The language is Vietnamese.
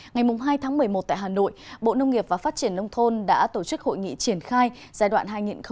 ngày hai tháng một mươi một tại hà nội bộ nông nghiệp và phát triển nông thôn đã tổ chức hội nghị triển khai giai đoạn hai nghìn một mươi sáu hai nghìn hai mươi